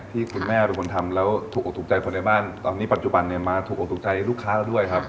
ที่คุณแม่เป็นคนทำแล้วถูกออกถูกใจคนในบ้านตอนนี้ปัจจุบันเนี่ยมาถูกออกถูกใจลูกค้าแล้วด้วยครับ